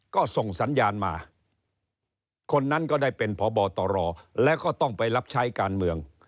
ก็ส่งสัญญาณมาคนนั้นก็ได้เป็นพบตรแล้วก็ต้องไปรับใช้การเมือง